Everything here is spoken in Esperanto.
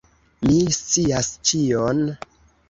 Mi scias ĉion.